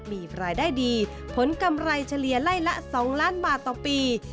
มีรายได้ดีผลกำไรเฉลี่ยไล่ละ๒ล้านบาทต่อปี